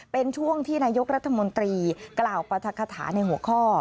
เป็นช่วงที่นายกรัฐมนตรีกล่าวปรัฐคาถาในหัวข้อ